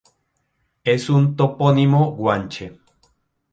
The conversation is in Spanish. Es un topónimo guanche.